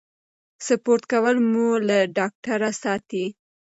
سپورت کول مو له ډاکټره ساتي.